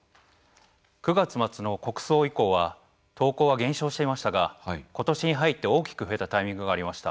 ９月末の国葬以降は投稿が減少していましたが今年に入って大きく増えたタイミングがありました。